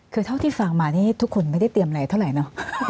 คือเท่าที่ฟังมานี่ทุกคนไม่ได้เตรียมอะไรเท่าไหร่เนอะ